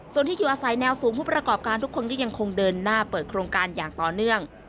ส่วนที่อยู่อาศัยแนวสูงผู้ประกอบการทุกคนก็ยังคงเดินหน้าเปิดโครงการอย่างต่อเนื่อง